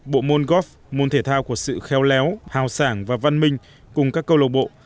bộ môn golf môn thể thao của sự khéo léo hào sản và văn minh cùng các cơ lộc bộ